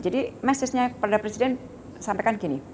jadi message nya kepada presiden sampaikan gini